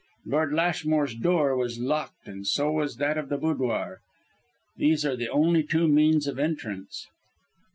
Lord Lashmore's door was locked and so was that of the boudoir. These are the only two means of entrance."